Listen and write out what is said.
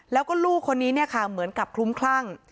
แล้วก็ลูกคนนี้เนี่ยค่ะเหมือนกับคลุ้มคลั่ง